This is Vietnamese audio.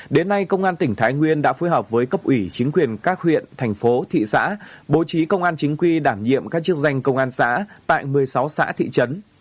đến nay công an tỉnh thái nguyên đã phối hợp với cấp ủy chính quyền các huyện thành phố thị xã bố trí công an chính quy đảm nhiệm các chức danh công an xã tại một mươi sáu xã thị trấn